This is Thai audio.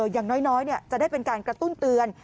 อย่างน้อยจะได้เป็นการกระตุ้นเตือน